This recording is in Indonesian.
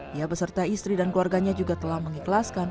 dia beserta istri dan keluarganya juga telah mengikhlaskan